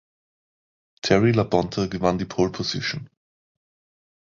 Terry Labonte gewann die Poleposition.